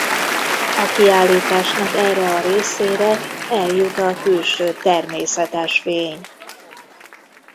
A kiállításnak erre a részére eljut a külső természetes fény.